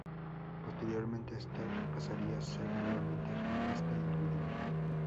Posteriormente Esther pasaría a ser nuevamente gimnasta individual.